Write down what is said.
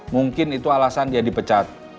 mungkin itu alasan dia dipecat